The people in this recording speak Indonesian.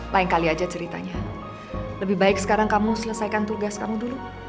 lain kali aja ceritanya lebih baik sekarang kamu selesaikan tugas kamu dulu